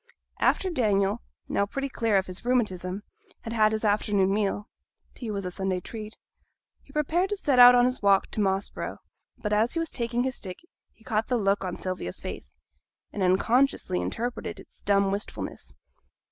After Daniel, now pretty clear of his rheumatism, had had his afternoon meal (tea was a Sunday treat), he prepared to set out on his walk to Moss Brow; but as he was taking his stick he caught the look on Sylvia's face; and unconsciously interpreted its dumb wistfulness.